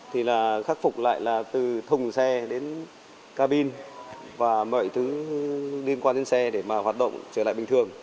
thì là khắc phục lại là từ thùng xe đến cabin và mọi thứ liên quan đến xe để mà hoạt động trở lại bình thường